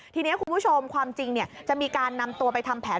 ทีนี้คุณผู้ชมความจริงจะมีการนำตัวไปทำแผน